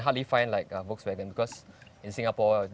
sudah sedang diberikan ke singapura